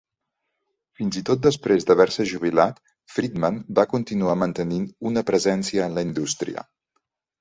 Fins i tot després d'haver-se jubilat, Freedman va continuar mantenint una presència en la indústria.